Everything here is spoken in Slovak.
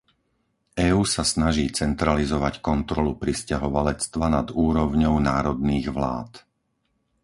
EÚ sa snaží centralizovať kontrolu prisťahovalectva nad úrovňou národných vlád.